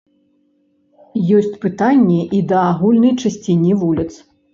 Ёсць пытанні і да агульнай чысціні вуліц.